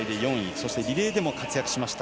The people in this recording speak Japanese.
そしてリレーでも活躍しました。